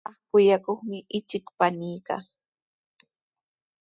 Shumaq kuyakuqmi ichik paniiqa.